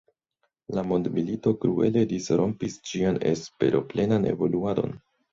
La mondmilito kruele disrompis ĝian esperoplenan evoluadon.